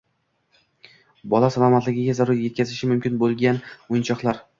Bola salomatligiga zarar yetkazishi mumkin bo‘lgan o‘yinchoqlar